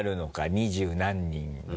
二十何人の。